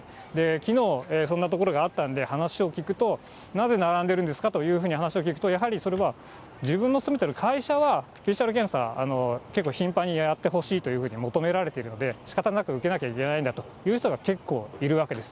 きのう、そんな所があったんで、話を聞くと、なぜ並んでるんですかというふうに話を聞くと、やはりそれは、自分の勤めている会社はＰＣＲ検査、結構頻繁にやってほしいと求められているので、しかたなく受けなきゃいけないんだという人が結構いるわけです。